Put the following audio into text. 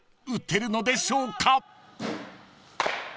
［打てるのでしょうか？］